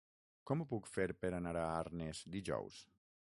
Com ho puc fer per anar a Arnes dijous?